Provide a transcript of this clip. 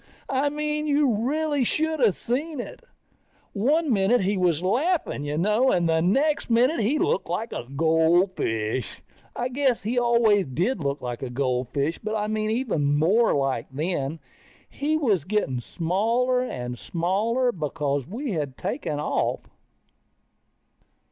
I mean you really should of seen it. One minute he was laughing you know, and the next minute he looked like a goldfish. I guess he always did look like a goldfish, but I mean even more like, then. And he was getting smaller and smaller, because we had taken off.